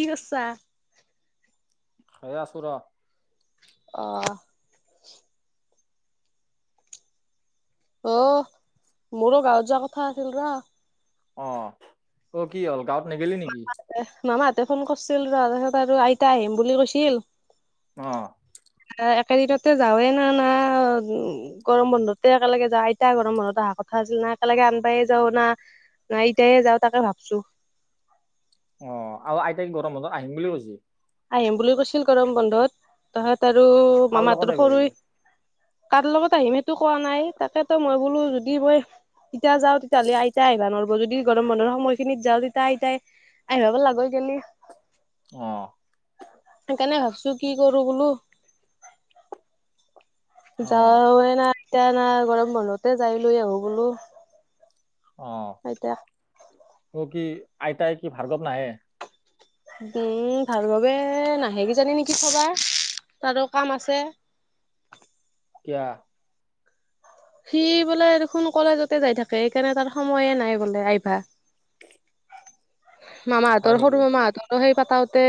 কি কৰচা? সে আছো ৰ। অ'। অ' মোৰো গাঁৱত যোৱা কথা আছিল ৰ। অ' ত' কি হ'ল গাৱত নেগেলি নেকি? এ মামাহাতে ফোন কৰিছিল ৰ তাৰপিছত আৰু আইতা আহিম বুলি কৈছিল। অ'। একেদিনতে যাৱে না না গৰম বন্ধতে একেলগে যা আইতা গৰম বন্ধত অহা কথা আছিল না একেলগে আনবায়ে যাও না। নাই ইতায়ে যাওঁ তাকে ভাবছো। অ' আৰু আইতাই গৰম বন্ধত আহিম বুলি কৈছি। আহিম বুলি কৈছিল গৰম বন্ধত তহাঁত আৰু কাৰ লগত মামাহতৰ আহিব সৰু বোলে কাৰ লগত আহিমটো কোৱা নাই তাকেতো মই বোলো যদি মই এতিয়া যাওঁ তেতিয়াহ'লে আইতাই আহিব নোৱাৰব যদি গৰম বন্ধৰ সময় খিনিত যাওঁ তেতিয়া আইতাই আহিবা পাৰলা হৈ গেলি অ'। সেইকাৰণে ভাবছো কি কৰো বোলো। অ যাৱে নাই এতিয়া নাই গৰম বন্ধতে যাই লৈ আহো বুলো। অ' মোৰ কি আইতাই কি ভাৰ্গৱ নাহে। উম ভাৰ্গৱ নাহে কি জানি নেকি থবা তাৰো কাম আছে। কিয়া? সি বোলে দেখোন কলেজতে যাই থাকে, সেইকাৰণে তাৰ সময়ে নাই বোলে আহিবা। হয় মামাহঁতৰ, নেকি সৰু মামাহঁতৰ সেই পাতাওঁতে।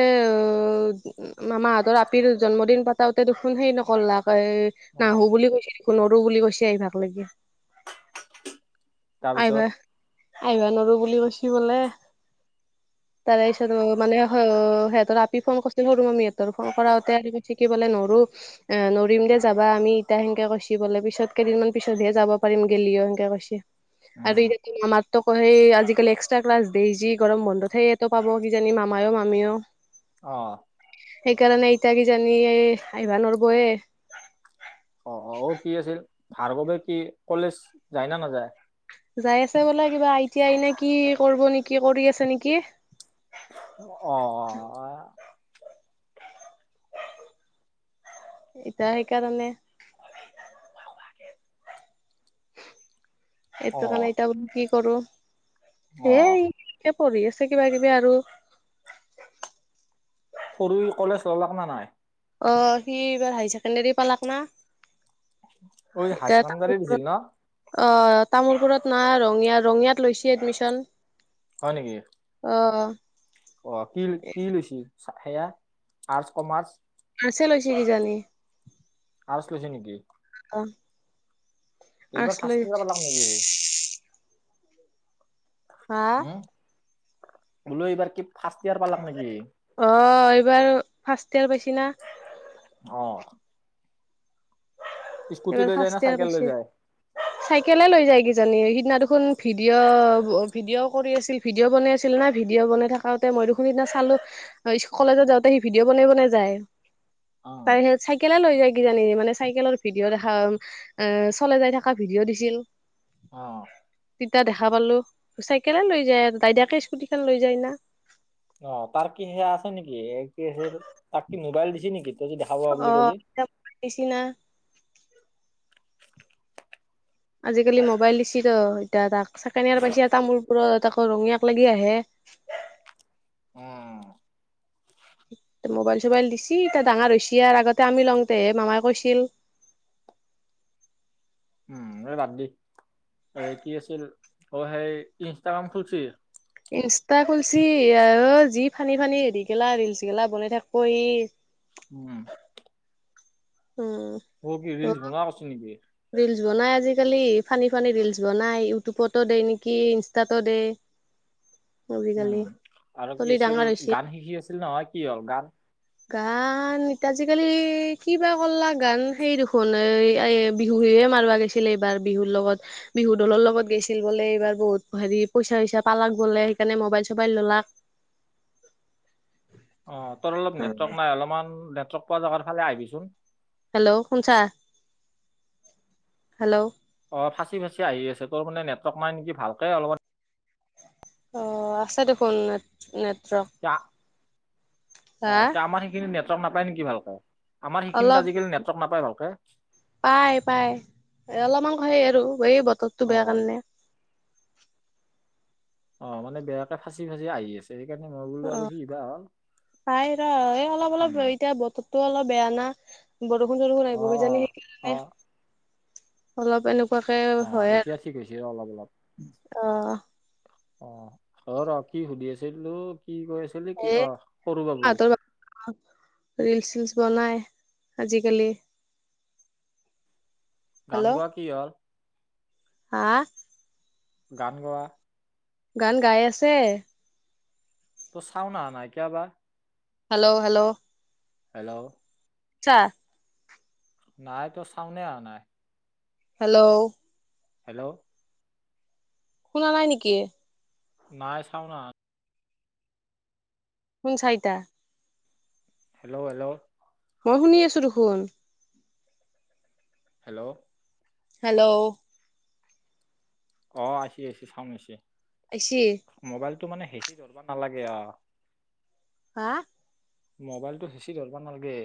মামাহঁতৰ আপিৰ জন্মদিন পতাওঁতে দেখোন হেৰি নকলাক এ। অ নাহোঁ বুলি কৈছে, নৰোঁ বুলি কৈছে, আহিবাক লাগি। তাৰপিছত আইবা, আইবা নৰোঁ বুলি কচ্চি ব'লে। তাৰেপিছত মানে, সিহঁতৰ আপি ফোন কৰিছিল, সৰু মামী সিহঁতৰ ফোন কৰাতে শিকিবলৈ নৰোঁ। এ নৰিম দে যাবা আমি, ইতা সেনকে কচ্ছি বলে। পিছত, কেইদিনমান পিছতহে যাবা পাৰিম গেলিও সেনকে কচ্ছি। আৰু উম এই যে তুমি আমাৰ। ত সেই আজিকালি এক্সট্ৰা ক্লাছ, যি গৰম বন্ধত সেইয়া পাব কিজানি মামায়ে-মামিও। কোনো শব্দ পোৱা নগ'ল। অঁ। সেইকাৰণে ইতা কিজানি আইবা নৰবৈয়ে। অঁ অঁ! অ' কি আছিল, ভাৰ্গৱে কি কলেজ যায় না নাযায়? যাই আছে বোলে। কিবা আই টি আই নে কি? কৰিব নেকি? কৰি আছে নেকি? অঁ এতিয়া সেইকাৰণে অ সেইটো কাৰণে এতিয়া বোলোঁ কি কৰোঁ? অ সেই পঢ়ি আছে কিবা- কিবি আৰু! সৰু কলেজ ললাক না নাই? অঁ সি এইবাৰ হায়াৰ ছেকেণ্ডেৰী পালাক না। ঐ একো হায়াৰ পোৱা ছেকেণ্ডাৰী নগ'ল। দিছিল ন অঁ! তামোলপুৰত না ৰঙীয়া, ৰঙিয়াত লৈছে এডমিশন। হয় নেকি? অঁ। অঁ! কি, কি লৈছি? সেয়া আৰ্টচ-কমাৰ্চ? আৰ্ষ্টছে লৈছে কিজানি? আৰ্টছ লৈছে নেকি? অঁ। এইবাৰ ফাৰ্ষ্ট ইয়াৰ পালাক নেকি? হা বোলোঁ এইবাৰ কি ফাৰ্ষ্ট ইয়েৰ পালাক নেকি? অঁ এইবাৰ ফাৰ্ষ্ট ইয়াৰ পাইছি না! অঁ। স্কুটি এইবাৰ লৈ যায় ফাৰ্ষ্ট না ইয়াৰ চাইকেল লৈ পাইছে যায়? চাইকেলে লৈ যায় কিজানি! সিদিনা দেখোন ভিডিঅ', ভিডিঅ' কৰি আছিল। ভিডিঅ' বনাই আছিল না, ভিডিঅ' বনাই থাকঁতে মই দেখোন সেইদিনা চালোঁ। অঁ স্কলেজত যাওঁতে ভিডিঅ' বনাই বনাই যায়। অ অঁ, চাইকেলে লৈ যায় কিজানি! মানে চাইকেলৰ। ভিডিঅ' দেখায়, চলাই যাই থাকা ভিডিঅ' দিছিল। অ। তিতা দেখা পালোঁ। চাইকেলে লৈ যায় আৰু, দাইদাকে স্কুটিখন লৈ যায় না। অঁ তাৰ কি সেয়া আছে নেকি? কি আঁ তাক কি মোবাইল দিছে নেকি? তই যদি দেখা পাওঁ অ বুলি কলি? এতিয়া দিছি না। আজিকালি মোবাইল দিছি ত এতিয়া তাক। ছেকেণ্ড হেয়াৰ পাইছে তামোলপুৰত তাকে ৰঙিয়াক লাগি আহে। অঁ। মোবাইল-চবাইল দিছি, এতিয়া ডাঙৰ হৈছি আৰ, আগতে আমি লওঁতেহে মামাই কৈছিল। উম এই বাদ দি। এ কি আছিল অঁ সেই ইনষ্টাগ্ৰাম খুলি? ইনষ্টা খুলচি, অ যি ফানি-ফানি হেৰি গেলা ৰিলচ গেলা বনাই থাকব' হি। উম। উম। অ সি ৰিলচ বনাই পাচ্ছি নেকি? ৰিলচ বনাই আজিকালি, ফানী-ফানী ৰিলচ বনাই। ইউটিউবতো দে নেকি? ইনষ্টাতো দে। [inaudible] উম আৰু কি আছিল? গান শিকি আছিল নহয়, কি হ'ল গান গান এতিয়া আজিকালি কিবা কলা গান সেই দুখোন এ বিহু বিহুৱে মাৰোৱা গৈছে আছিলে এইবাৰ বিহুৰ লগত। বিহু দলৰ লগত গৈছিল বোলে এইবাৰ বহুত হেৰি পইচা চইচা পালাক বোলে। সেইকাৰণে মোবাইল-চবাইল ললাক। অ তোৰ অলপ নেটৱৰ্ক নাই, অলপমান নেটৱৰ্ক পোৱা যগাৰ ফালে আহিবিচোন। অ শুনছা? হেল্ল। অ ফাচি ফাচি আহি আছে, তোৰ মানে নেটৱৰ্ক নাই নেকি ভালকে অলপমান অঁ আছে দেখোন নে নেটৱৰ্ক। অ হা আমাৰ সেইখিনি নেটৱৰ্ক নাপায় নেকি ভালকে? আমাৰ সেইখিনিত আজালি নেটৱৰ্ক নাপায় ভালকে? পায় পায় অলপমানং খেই আৰু এই বতৰটো অ বেয়া কাৰণে। অ মানে বেয়াকে ফাঁচি-ফাঁচি আহি আছে। [inaudible] অ বা হ'ল তাই ৰ এই অলপ অলপ উম এতিয়া বত টো অলপ বেয়া না। বৰষুণ-চৰষুণ অ আহিব অ কিজানি অ সেইকাৰণে অলপ এনেক অ এতিয়া ঠিক হৈছে অলপ অলপ। আৰু অ অ অ ৰ কি সুধি আছিলো? কি কৈ আছিলি? কি অ সৰু বাবু। ৰিলচ-চিলচ বনাই আজিকালি। গান হেল্ল' গোৱা কি হ'ল? হা? গান গোৱা? গান গাই আছে। চাউন নাই কিয়বা। Hello hello. হেল্ল। [inaudible] নাই তোৰ চাউনে আহা নাই। হেল্ল। হেল্ল। শুনা নাই নেকি? নাই চাউনা আহা [unintelligible] হেল্ল হেল্ল। মই শুনি আছো দেখোন। হেল্ল। হেল্ল' অ আহিছে আহছে চাওছে আছে মোবাইলটো মে হেঁচি ধলব নালাগে অ হা মোবাইলটো সেঁচি ধৰিব নালাগে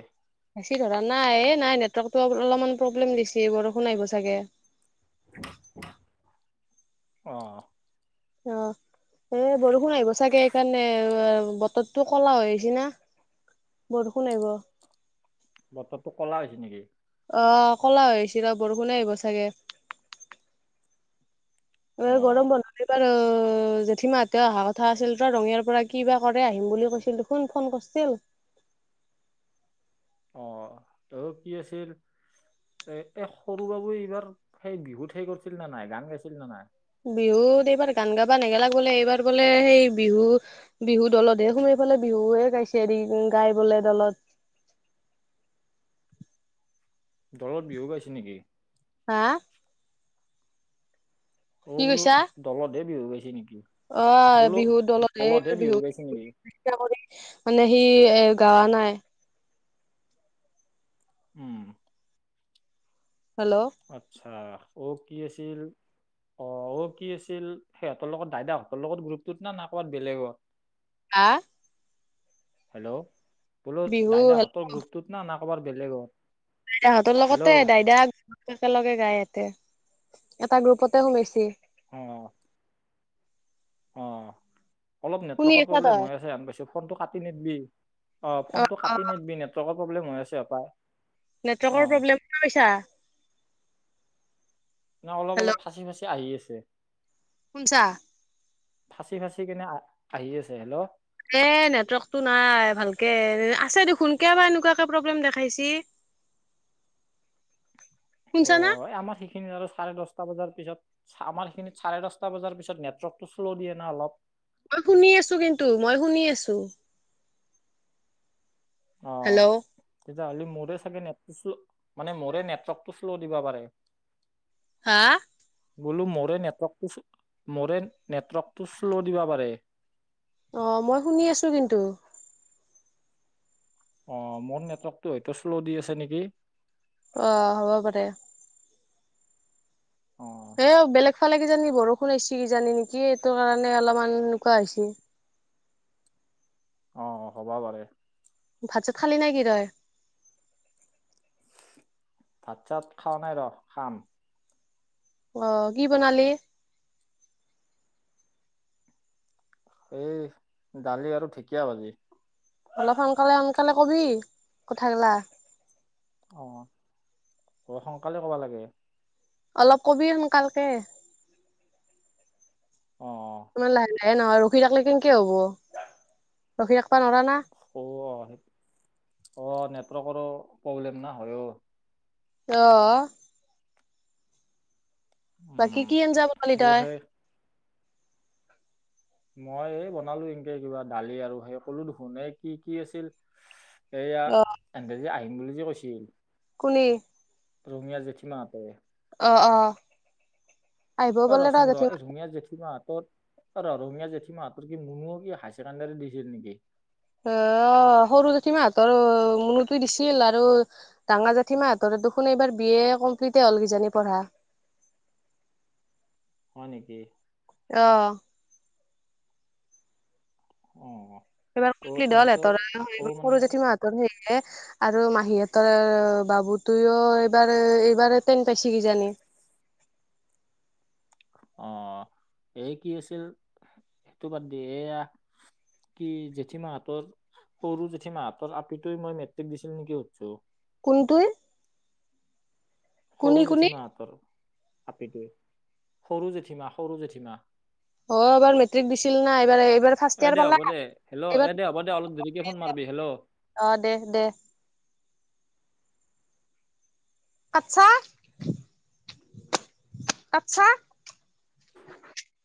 বেছি ধৰা নাই নাই নেটৱৰ্কতটো অলপমান প্ৰব্লেম দিছেি বৰষুণ আহিব চাগে অ অ এ বৰষুণ আহিব চাগে সকাৰণে বতৰটো ক'লা হৈ আহিছে না বৰষুণ আহিব বতৰটো ক'লা হৈছে নেকি অ ক'লা হৈ আহিছ ৰ বৰষোনে আহিব চাগে অ এ গৰম বন এইবাৰ অ জেঠীমাহঁতেও অহা কথা আছিল তই ৰঙিয়াৰ পৰা কি বা কৰে আহিম বুলি কৈছিল শোন ফোন কৰিছিল অ ত কি আছিল এ এ সৰু বাবু এইবাৰ সেই বিহুত সেই কৰিছিল নে নাই গান গাইছিল নে নাই বিহুত এইবাৰ গান গাবা নেগেলা বোলে এইবাৰ বোলে সেই বিহু বিহু দলতহে সোমাই পালে বিহুে গাইছে হৰি গাই বোলে দলত দলৰত বিহু গাইছে নেকি হা অ কি বোলো কৈছা? দলতে বিহু গাইছে নেকি অ বোলো বিহুৰত দলত দলতহে হ বিহু গাইছে নেকি ঙ মানে সি এ গাৱা নাই উম হেল্ল' আচ্ছা অ কি আছিল অ অ কি আছিল সিহঁতৰ লগত দাইদাহঁতৰ লগত গ্ৰুপটোত না না ক'বাত বেলেগত হা হেল্ল' বোলো বিহু দাইদাহঁতৰ গ্ৰুপটোত না না ক'ৰবাৰ বেলেগৰ তহাহঁতৰ লগতে দাইদাক একেলগে গাইহেঁতে এটা গ্ৰুপতে সোমাইছে উম অ অলপ শুনি নেটৱৰ্কৰ আছা প্ৰব্লেম তই হৈ আছে পাইছো ফোনটো কাটি নদবি অ ফোন টো কাটি নদবি নেট প্ৰব্লেম হৈ আছোপায় নেটৱৰ্কৰ প্ৰব্লেম ক কছা ন অলপ হেল্ল' অলপ ফাঁচি ফাচি আহি আছে শছ ফাঁচি ফাঁচি কেনে আহি আছে হেল্ল' এ নেটৱৰ্কতটো নাই ভালকে আছে দে সোনকে বাাৰ এনেকুৱে প্ৰব্লেম দেখাইছি [unintelligible] অ শুনছা না? আমাৰ শিক সিন আৰু চাৰে দহটা বজাৰ পিছত আমাৰ সেইখিনিত চাৰে দহটা বজাৰ পিছত নেটৱৰ্কটো শ্ল' দিয়ে না অলপ মই শুনি আছো কিন্তু মই শুনি আছো অ হেল্ল' তেতিয়াহ'লে মোৰে চাগে নেট্ল মানে মোৰে নেটৱৰ্কটো শ্ল' দিবা পাৰে হা বোলো মোৰে নেটৱৰ্কটো মোৰে নেটৱৰ্কটো শ্ল' দিবা পাৰে অ মই শুনি আছো কিন্তু অ', মোৰ নেটৱৰ্কটো হয়তো শ্ল' দি আছে নেকি। অ', হ'ব পাৰে। অ এ বেলেগ ফালে কিজানি বৰষুণ আহছি কিজানি নিকি, এইটো কাৰণে অলপমান এনেকুৱা হৈছে। অ', হ'বা পাৰে। ভাত চাত খালি নিকি তই? ভাত চাত খোৱা নাই ৰ' খাম। অ', কি বনালি? এই দালি আৰু ঢেকীয়া ভাজি। অলপ সোনকালে সোনকালে কবি কথা গিলা। অ', অ', সোনকালে কবা লাগে। অলপ কবি সোনকালকে। অ', অ', ইমান লাহে লাহে নহয় ৰখি থাকিলে কেনেকে হ'ব, ৰখি থাকবা নোৱাৰা না। অ', অ', নেটৱৰ্কৰো প্ৰব্লেম না হয়ও। অ', উম বাকী কি আনজা বনালি অ তই? সেই মই এই বনালো এনকে কিবা দালি আৰু সেই ক'লো দেখোন সে কি কি আছিল? এইয়া ইহঁতে যে আহিম বুলি যে কৈছিল কোনে? ৰঙিয়া জেঠী মা হ'তে। অ', অ', আহিবও অ', ৰ' পাৰলে ছোন ৰ' জেঠীমা এই ৰঙিয়া জেঠী মা হাতত অ, ৰ' ৰঙিয়া জেঠী মাহতৰ কি মুনুও কি হায় ছেকেণ্ডোৰী দিছিল নিকি? আ, সৰু জেঠী মা হঁতৰ মুনুটোৱে দিছিল আৰু ডাঙাৰ জেঠী মাহঁতৰ দেখোন এইবাৰ বি এ কমপ্লিটে হল কিজানি পঢ়া। হয় নেকি? অ', অ', এইবাৰ অ ইহঁতৰ অ [unintelligible] সৰু মানে জেঠি মা হঁতৰ সেয়ে আৰু মাহী হঁতৰ বাবু তোও এইবাৰ এইবাৰ তেন পাইছে কিজানি। অ', এই কি আছিল সেইটো বাদ দি এইয়া কি জেঠী মাহঁতৰ সৰু জেঠী মা হঁতৰ আপিটোৱে মই মেট্ৰিক দিছিল নেকি সুধছো? কোনটোই? কোনি সৰু কোনি জেঠী মা হঁতৰ আপিটোৱে, সৰু জেঠীমা, সৰু জেঠীমা অ', এবাৰ মেট্ৰিক দিছিল না এইবাৰ এইবাৰ ফাৰ্ষ্ট এ ইয়াৰ দে পালা হ'ব দে হেল্ল' এইবাৰ এ দে হ'ব দে অলপ দেৰিকে ফোন মাৰবি হেল্ল' অ', দে দে। কাটছা কাটছা?